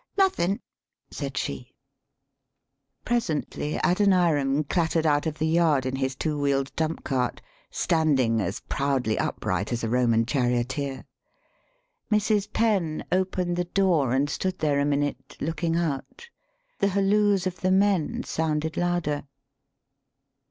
]" Nothin','' said .she. [Presently Adoniram clattered out of the yard in his two wheeled dump cart, standing as proud ly upright as a Roman charioteer. Mrs. Penn opened the door and stood there a minute look ing out; the halloos of the men sounded louder.